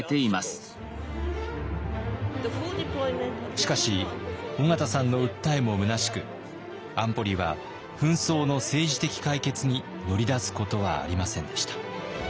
しかし緒方さんの訴えもむなしく安保理は紛争の政治的解決に乗り出すことはありませんでした。